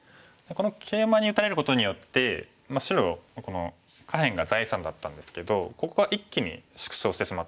このケイマに打たれることによって白この下辺が財産だったんですけどここが一気に縮小してしまったんですね。